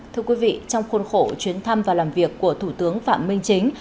thưa quý vị trong khuôn khổ chuyến thăm và làm việc của thủ tướng phạm minh chính